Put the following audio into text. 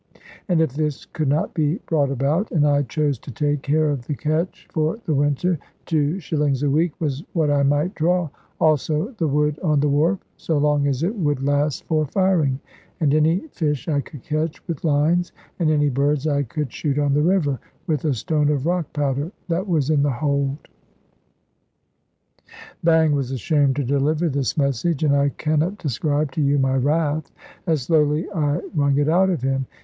And if this could not be brought about, and I chose to take care of the ketch for the winter, two shillings a week was what I might draw, also the wood on the wharf, so long as it would last for firing; and any fish I could catch with lines; and any birds I could shoot on the river, with a stone of rock powder that was in the hold. Bang was ashamed to deliver this message; and I cannot describe to you my wrath, as slowly I wrung it out of him.